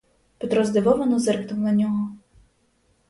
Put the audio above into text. Петро здивовано зиркнув на нього.